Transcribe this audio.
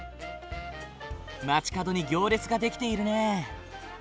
街角に行列が出来ているねえ。